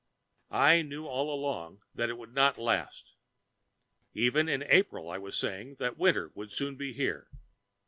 I knew all along that it would not last. Even in April I was saying that winter would soon be here.